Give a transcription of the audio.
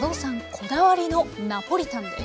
こだわりのナポリタンです。